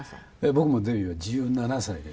僕もデビューは１７歳です。